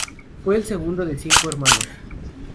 Fue el segundo de cinco hermanos.